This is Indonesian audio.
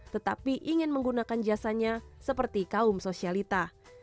tetapi ingin menggunakan jasanya seperti kaum sosialita